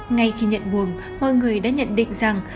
ngay khi nhận buồng mọi người đã nhận định rằng